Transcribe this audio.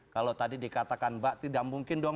kalau tadi dikatakan mbak tidak mungkin dong